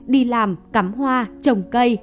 đi làm cắm hoa trồng cây